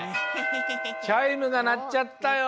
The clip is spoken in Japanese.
チャイムがなっちゃったよ。